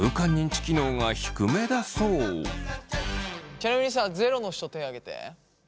ちなみにさ０の人手挙げて。